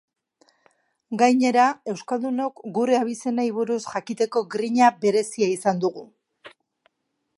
Gainera, euskaldunok gure abizenei buruz jakiteko grina berezia izan dugu.